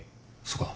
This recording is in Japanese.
そうか。